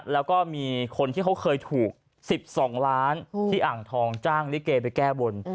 แล้วก็มีคนที่เขาเคยถูก๑๒ล้านที่อ่างทองจ้างลิเกไปแก้บน